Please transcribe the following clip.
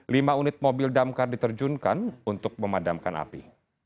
lima unit mobil damkar diterjunkan untuk memadamkan api